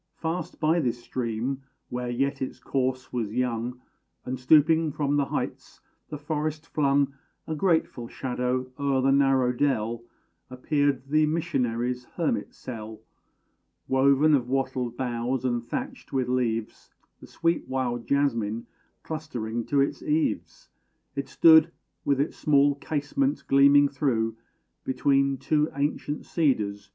Fast by this stream, where yet its course was young, And, stooping from the heights, the forest flung A grateful shadow o'er the narrow dell, Appeared the missionary's hermit cell. Woven of wattled boughs, and thatched with leaves, The sweet wild jasmine clustering to its eaves, It stood, with its small casement gleaming through Between two ancient cedars.